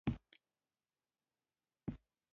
غول د ملګرو پټ شکایت دی.